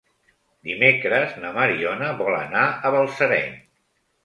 Dimecres na Mariona vol anar a Balsareny.